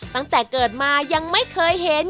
ตั้งแต่เกิดมายังไม่เคยเห็น